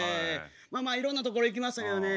まあまあいろんな所行きましたけどね。